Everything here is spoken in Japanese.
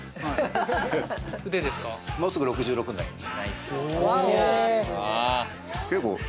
もうすぐ６６になります。